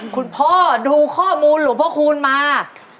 คุณพ่อดูข้อมูลหลวงพ่อคูณมา